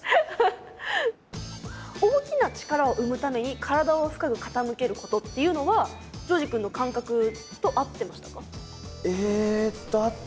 大きな力を生むために体を深く傾けることっていうのは丈司くんの感覚と合ってましたか？